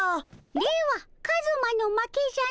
ではカズマの負けじゃの。